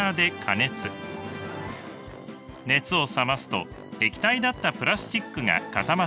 熱を冷ますと液体だったプラスチックが固まっています。